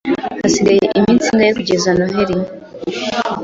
Hasigaye iminsi ingahe kugeza Noheri?